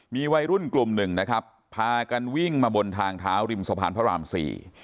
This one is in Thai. มีวัยรุ่นกลุ่มหนึ่งนะครับพากันวิ่งมาบนทางเท้าริมสะพานพระรามสี่